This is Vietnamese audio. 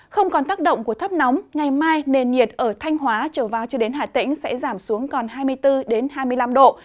không còn tác động của thấp nóng ngày mai nền nhiệt ở thanh hóa trở vào cho đến hà tĩnh sẽ giảm xuống còn hai mươi bốn hai mươi năm độ